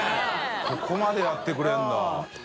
ここまでやってくれるんだ。